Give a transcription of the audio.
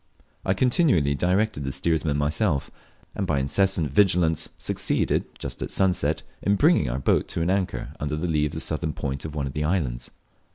I continually directed the steersman myself, and by incessant vigilance succeeded, just at sunset, in bringing our boat to an anchor under the lee of the southern point of one of the islands.